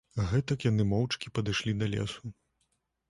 Гэтак яны моўчкі падышлі да лесу.